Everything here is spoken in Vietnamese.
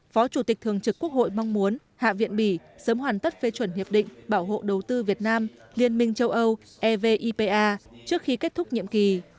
phó chủ tịch thường trực quốc hội mong muốn hạ viện bỉ sớm hoàn tất phê chuẩn hiệp định bảo hộ đầu tư việt nam liên minh châu âu evipa trước khi kết thúc nhiệm kỳ